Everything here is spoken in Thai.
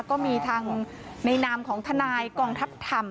ก็มีทางในนามของทนายกองทัพธรรม